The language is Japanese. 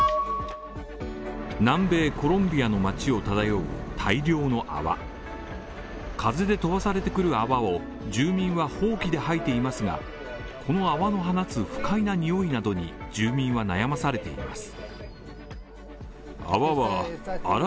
南米コロンビアの街を漂う大量の泡風で飛ばされてくる泡を住民はほうきで掃いていますが、この泡の放つ不快な臭いなどに住民は悩まされています。